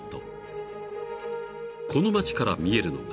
［この町から見えるのが］